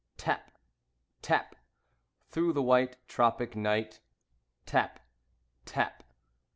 Tap! Tap! Through the white tropic night. Tap! Tap!